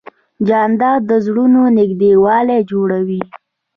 جانداد د زړونو نږدېوالی جوړوي.